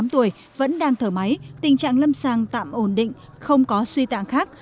bốn mươi tám tuổi vẫn đang thở máy tình trạng lâm sàng tạm ổn định không có suy tạng khác